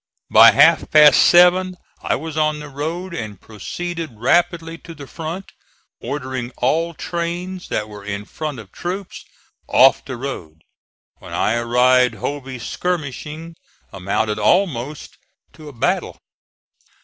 By half past seven I was on the road and proceeded rapidly to the front, ordering all trains that were in front of troops off the road. When I arrived Hovey's skirmishing amounted almost to a battle.